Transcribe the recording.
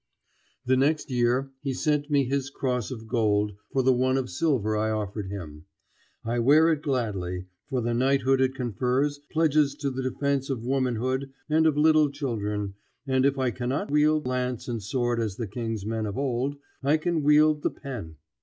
The next year he sent me his cross of gold for the one of silver I offered him. I wear it gladly, for the knighthood it confers pledges to the defence of womanhood and of little children, and if I cannot wield lance and sword as the king's men of old, I can wield the pen.